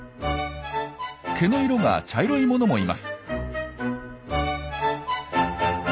毛の色が茶色いものもいます。